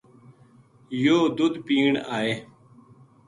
یوہ دُدھ پین آئے